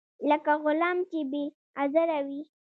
لکه غلام چې بې عذره وي.